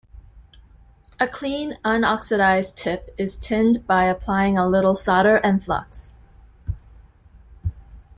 A clean unoxidised tip is tinned by applying a little solder and flux.